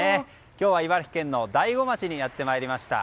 今日は茨城県の大子町にやってまいりました。